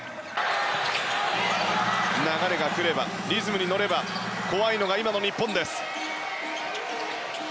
流れが来ればリズムに乗れば怖いのが今の日本です。